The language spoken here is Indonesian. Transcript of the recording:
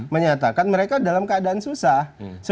menyatakan mereka dalam keadaan susah